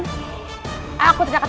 aku tidak akan menangkapmu